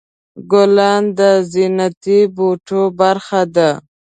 ګلان د زینتي بوټو برخه ده.